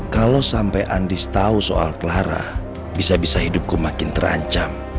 kalau sampai andis tahu soal clara bisa bisa hidupku makin terancam